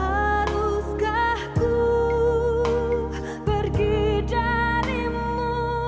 haruskah ku pergi dari mu